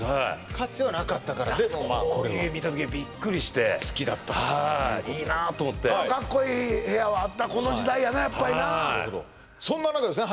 かつてはなかったからでまあこういうのがこういう家見た時はビックリして好きだったということではいいいなと思ってカッコいい部屋はあったこの時代やなやっぱりなそんな中ですね